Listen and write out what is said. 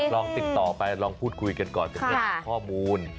ลองติดต่อไปลองพูดคุยกันก่อนกับข้อมูล